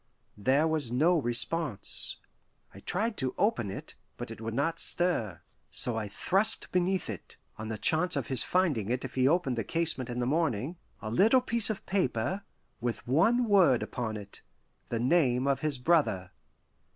There was no response. I tried to open it, but it would not stir. So I thrust beneath it, on the chance of his finding it if he opened the casement in the morning, a little piece of paper, with one word upon it the name of his brother.